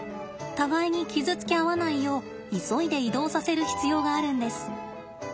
互いに傷つけ合わないよう急いで移動させる必要があるんです。